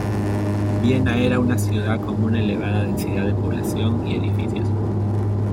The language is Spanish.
Viena era una ciudad con una elevada densidad de población y edificios.